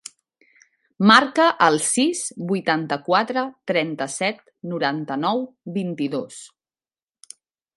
Marca el sis, vuitanta-quatre, trenta-set, noranta-nou, vint-i-dos.